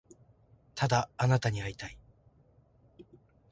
ただあなたに会いたい